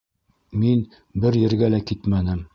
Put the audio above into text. Мин бер ергә лә китмәнем.